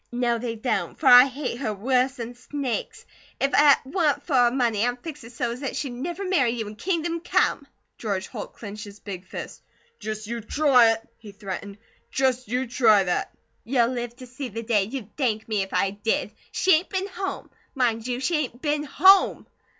"No, they don't, for I hate her worse 'n snakes! If it wa'n't for her money I'd fix her so's 'at she'd never marry you in kingdom come." George Holt clenched his big fist. "Just you try it!" he threatened. "Just you try that!" "You'll live to see the day you'd thank me if I did. She ain't been home. Mind you, she ain't been HOME!